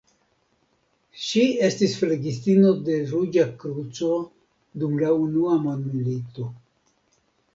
Ŝi estis flegistino de Ruĝa Kruco dum la Unua Mondmilito.